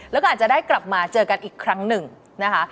แล้วก็อาจจะได้กลับมาเจอกันอีกครั้งหนึ่งนะคะ